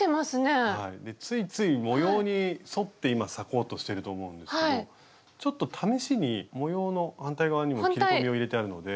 ついつい模様に沿って今裂こうとしてると思うんですけどちょっと試しに模様の反対側にも切り込みを入れてあるので。